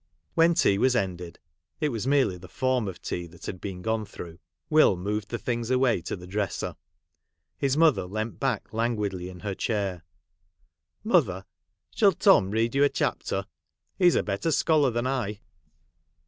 When tea was ended, — it was merely the form of tea that had been gone through, — Will moved the things away to the dresser. His mother leant back languidly in her chair. ' Mother, shall Tom read you a chapter ? He 's a better scholar than I.'